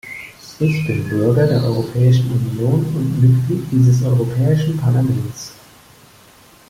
Ich bin Bürger der Europäischen Union und Mitglied dieses Europäischen Parlaments.